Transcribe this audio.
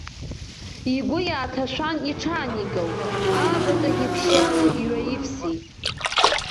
Игәы иааҭашәан иҽааникылт, аабатәигьы ԥшьшьала иҩаивсит.